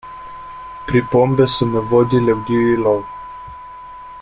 Pripombe so me vodile v divji lov.